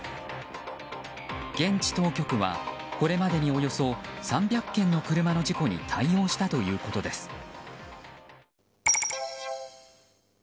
現地当局は、これまでにおよそ３００件の車の事故に対応したということです。